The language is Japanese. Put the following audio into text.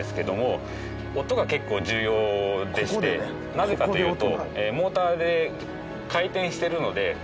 なぜかというと。